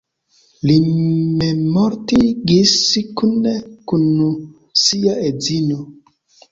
Li memmortigis kune kun sia edzino.